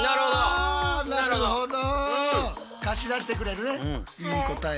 あなるほど。